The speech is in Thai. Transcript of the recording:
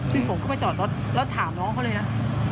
ซึ่งผมก็ไปจอดรถแล้วถามน้องเขาเลยนะ